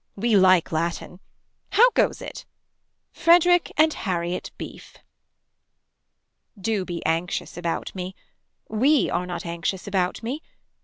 We like latin. How goes it. Frederick and Harriet Beef. Do be anxious about me. We are not anxious about me.